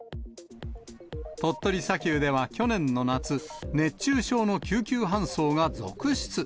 鳥取砂丘では去年の夏、熱中症の救急搬送が続出。